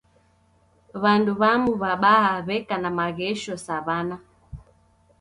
W'andu w'amu w'abaha w'eka na maghesho sa w'ana